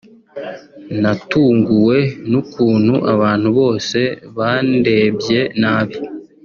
natunguwe n’ukuntu abantu bose bandebye nabi